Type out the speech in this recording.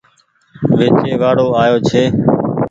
ويچي وآڙو آيو ڇي۔